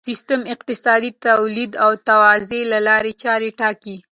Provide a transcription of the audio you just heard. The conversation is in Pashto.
سیستم اقتصادي د تولید او توزیع د لارې چارې ټاکي.